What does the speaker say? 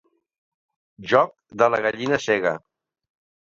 Joc de la gallina cega.